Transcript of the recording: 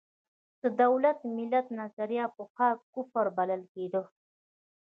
د دولت–ملت نظریه پخوا کفر بلل کېده.